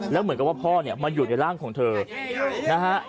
แล้วเหมือนกับว่าพ่อเนี่ยมาอยู่ในร่างของเธอนะฮะ